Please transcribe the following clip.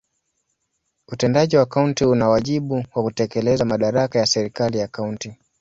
Utendaji wa kaunti una wajibu wa kutekeleza madaraka ya serikali ya kaunti.